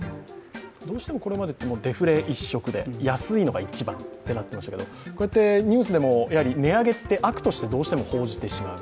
どうしてもこれまでデフレ一色で安いのが一番ってなってましたけど、ニュースって値上げって悪としてどうしても報じてしまう。